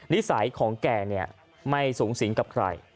นิสัยของแกไม่สูงสิงกับใคร